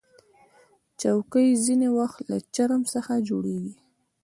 چوکۍ ځینې وخت له چرم څخه جوړیږي.